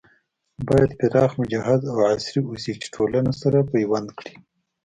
بايد پراخ، مجهز او عصري اوسي چې ټولنه سره پيوند کړي